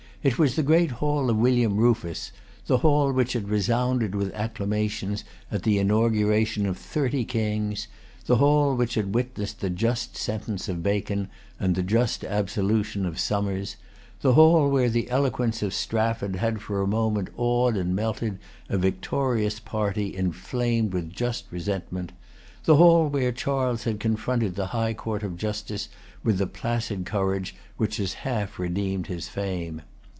It was the great hall of William Rufus, the hall which had resounded with acclamations at the inauguration of thirty kings, the hall which had witnessed the just sentence of Bacon and the just absolution of Somers, the hall where the eloquence of Strafford had for a moment awed and melted a victorious party inflamed with just resentment, the hall where Charles had confronted the High Court of Justice with the placid courage which has half redeemed his fame.